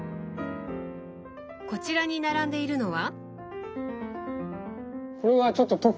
こちらに並んでいるのは？